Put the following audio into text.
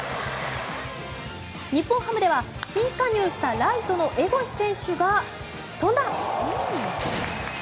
日本ハムでは新加入したライトの江越選手が飛んだ！